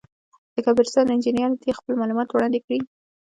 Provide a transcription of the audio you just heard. د کمپیوټر ساینس انجینر دي خپل معلومات وړاندي کي.